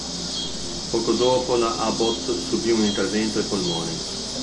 Poco dopo la Abbott subì un intervento ai polmoni.